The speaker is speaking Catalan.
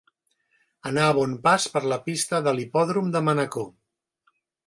Anar a bon pas per la pista de l'hipòdrom de Manacor.